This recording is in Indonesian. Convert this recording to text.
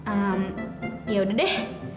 emm yaudah deh